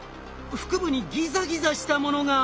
腹部にギザギザしたものが。